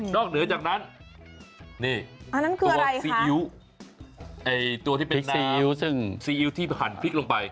นอกเหนือจากนั้นนี่ตัวซีอิ๊วตัวที่เป็นน้ำซีอิ๊วที่หั่นพริกลงไป